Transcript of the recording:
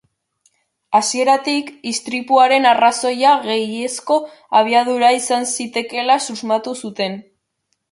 Hasieratik, istripuaren arrazoia gehiegizko abiadura izan zitekeela susmatu zuten.